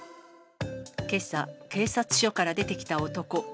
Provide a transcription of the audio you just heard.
けさ、警察署から出てきた男。